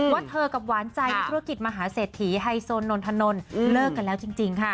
ว่าเธอกับหวานใจในธุรกิจมหาเศรษฐีไฮโซนนทนนเลิกกันแล้วจริงค่ะ